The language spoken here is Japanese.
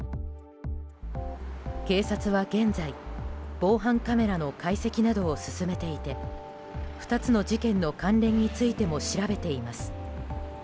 警察は現在、防犯カメラの解析などを進めていて２つの事件の関連についても調べています。